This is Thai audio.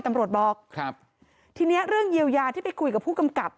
ตำรวจบอกครับทีเนี้ยเรื่องเยียวยาที่ไปคุยกับผู้กำกับ